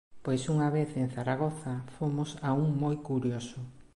Pois unha vez en Zaragoza fomos a un moi curioso.